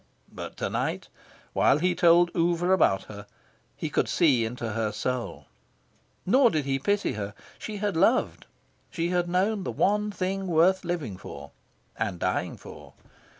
But to night, while he told Oover about her, he could see into her soul. Nor did he pity her. She had loved. She had known the one thing worth living for and dying for.